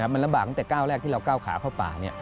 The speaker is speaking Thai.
มันลำบากตั้งแต่ก้าวแรกที่เราก้าวขาเข้าป่า